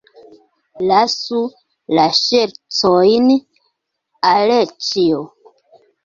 Lasu la ŝercojn, Aleĉjo!